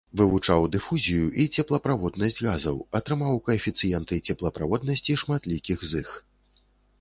Вывучаў дыфузію і цеплаправоднасць газаў, атрымаў каэфіцыенты цеплаправоднасці шматлікіх з іх.